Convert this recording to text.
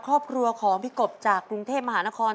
ครอบครัวของพี่กบจากกรุงเทพมหานคร